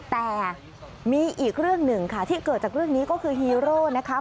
แต่มีอีกเรื่องหนึ่งค่ะที่เกิดจากเรื่องนี้ก็คือฮีโร่นะคะ